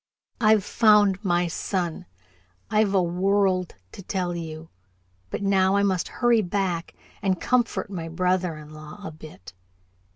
I've found my son I've a world to tell you, but now I must hurry back and comfort my brother in law a bit."